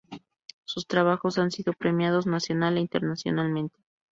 Sus trabajos han sido premiados nacional e internacionalmente.